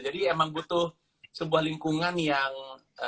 jadi emang butuh sebuah lingkungan yang